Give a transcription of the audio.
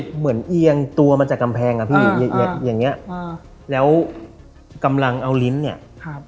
เอียงตัวมาจากกำแพงอ่ะพี่อย่างเงี้อ่าแล้วกำลังเอาลิ้นเนี่ยครับ